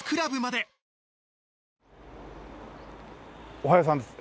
おはようさんです。